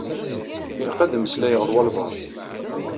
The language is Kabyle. Ilaq ad meslayeɣ d walebɛaḍ.